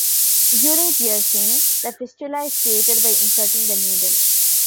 During piercing, the fistula is created by inserting the needle.